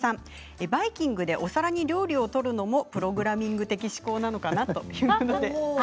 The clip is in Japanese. バイキングでお皿に料理を取るのもプログラミング的思考なのかなということです。